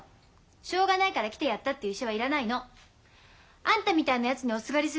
しょうがないから来てやったっていう医者は要らないの。あんたみたいなやつにおすがりするほど困っちゃないわ。